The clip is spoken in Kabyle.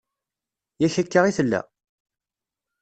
Yak akka i tella.